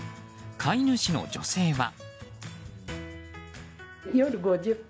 飼い主の女性は。